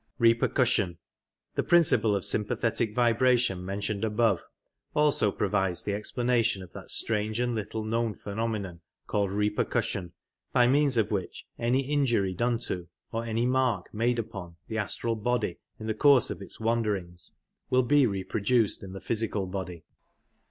« The principle of sympathetic vibration mentioned above alsQ prpyides the e^^planation of that strange an4 laonT^ little kpowft phenpmenpn pallpd reperctjssipn, by means of whiph any injury done to, or any Tx^ar^ H^^de upon, the astral body in the cpur3e of its W,*n4pripgs will be reprocjuced in the physical body.